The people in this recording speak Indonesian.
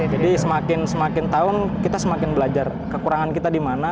jadi semakin tahun kita semakin belajar kekurangan kita di mana